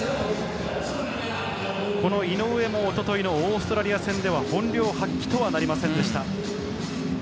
井上もおとといのオーストラリア戦では本領発揮とはなりませんでした。